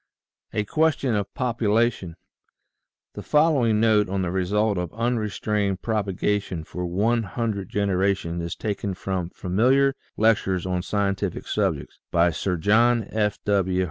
A QUESTION OF POPULATION HE following note on the result of unrestrained propagation for one hundred generations is taken from "Familiar Lectures on Scientific Subjects," by Sir John F. W.